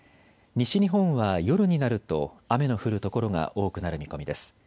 西日本は夜になると雨の降る所が多くなる見込みです。